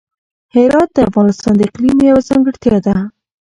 هرات د افغانستان د اقلیم یوه ځانګړتیا ده.